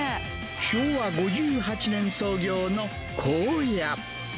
昭和５８年創業のこうや。